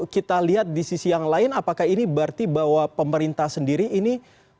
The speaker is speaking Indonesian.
kita lihat di sisi yang lain apakah ini berarti bahwa pemerintah sendiri ini